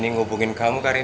aku sudah selesai